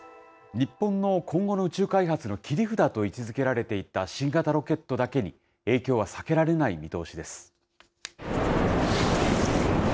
日本の今後の宇宙開発の切り札と位置づけられていた新型ロケットだけに、影響は避けられない見通しです。